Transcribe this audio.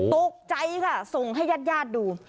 ตกใจค่ะส่งให้ญาติญาติดู